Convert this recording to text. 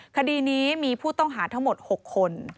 คดีนี้มีผู้ต้องหาทั้งหมด๖คน